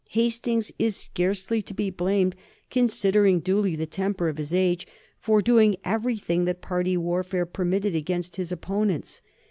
Hastings is scarcely to be blamed, considering duly the temper of his age, for doing everything that party warfare permitted against his opponents.